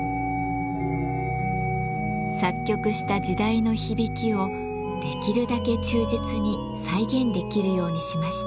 作曲した時代の響きをできるだけ忠実に再現できるようにしました。